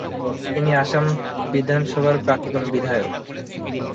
তিনি আসাম বিধানসভার প্রাক্তন বিধায়ক।